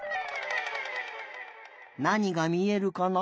なにがみえるかな？